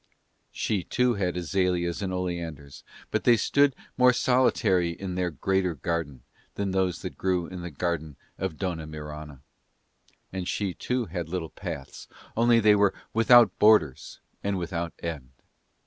She too had azaleas and oleanders, but they stood more solitary in their greater garden than those that grew in the garden of Dona Mirana; and she too had little paths, only they were without borders and without end.